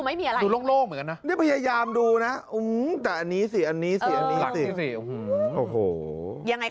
มีอะไรตะ